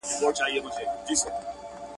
اوباز يم، خو بې گودره نه گډېږم.